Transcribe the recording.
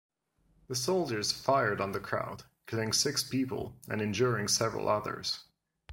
The soldiers fired on the crowd, killing six people and injuring several others.